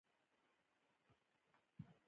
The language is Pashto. د هر څه لپاره تر ټولو بهتره درملنه ده.